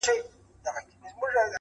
بیا د ښکلیو پر تندیو اوربل خپور سو-